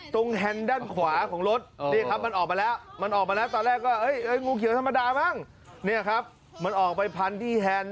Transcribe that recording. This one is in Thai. ตรงแฮนด้านขวาของรถมันออกไปแล้ว